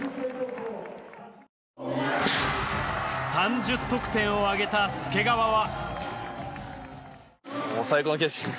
３０得点を挙げた介川は。